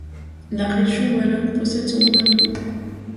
La Région wallonne possède son gouvernement.